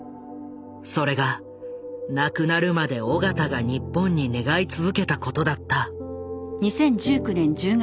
それが亡くなるまで緒方が日本に願い続けたことだった。